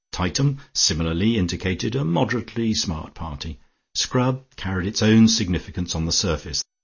"Tightum" similarly indicated a moderately smart party, "Scrub" carried its own significance on the surface.